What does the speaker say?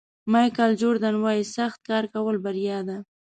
مایکل جوردن وایي سخت کار کول بریا ده.